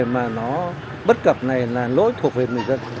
mà nó bất cập này là lỗi thuộc về người dân